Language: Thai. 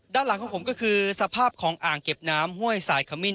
ด้านหลังของผมก็คือสภาพของอ่างเก็บน้ำห้วยสายขมิ้น